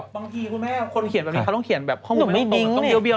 บางทีคุณแม่คนเขียนแบบนี้เค้าต้องเขียนแบบ